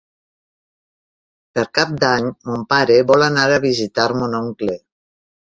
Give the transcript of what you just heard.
Per Cap d'Any mon pare vol anar a visitar mon oncle.